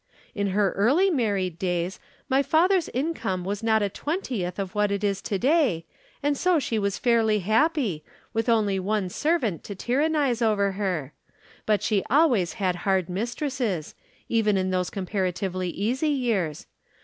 "In her early married days, my father's income was not a twentieth of what it is to day, and so she was fairly happy, with only one servant to tyrannize over her. But she always had hard mistresses, even in those comparatively easy years.